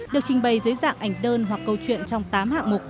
được trình bày dưới dạng ảnh đơn hoặc câu chuyện trong tám hạng mục